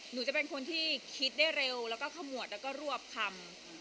หนูจะเป็นคนที่คิดได้เร็วแล้วก็ขมวดแล้วก็รวบคำ